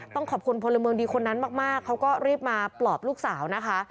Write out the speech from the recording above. ต้องขอบคุณพลเมืองดีคนนั้นมากเขาก็รีบมาปลอบลูกสาวนะคะ